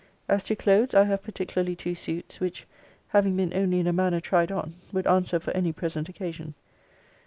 'As to clothes, I have particularly two suits, which, having been only in a manner tried on, would answer for any present occasion.